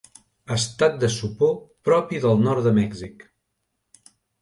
Estat de sopor propi del nord de Mèxic.